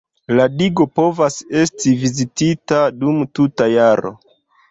La digo povas esti vizitita dum tuta jaro.